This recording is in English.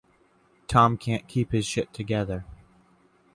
Tom can't keep his shit together.